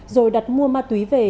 rồi đặt mua ma túy về